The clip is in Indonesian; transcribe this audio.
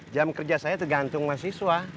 jam kerja saya tergantung mahasiswa